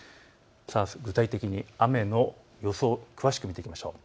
具体的に雨の予想を詳しく見ていきましょう。